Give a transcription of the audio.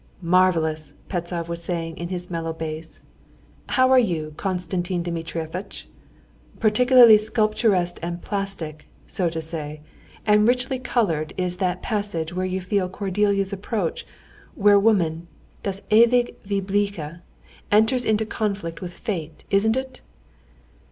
"Marvelous!" Pestsov was saying in his mellow bass. "How are you, Konstantin Dmitrievitch? Particularly sculpturesque and plastic, so to say, and richly colored is that passage where you feel Cordelia's approach, where woman, das ewig Weibliche, enters into conflict with fate. Isn't it?"